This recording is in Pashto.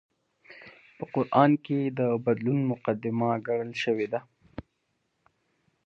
په قران کې د بدلون مقدمه ګڼل شوې ده